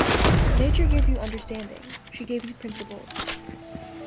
Nature gave you understanding — she gave you principles.